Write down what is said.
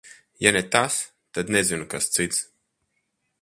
Ja ne tas, tad nezinu, kas cits.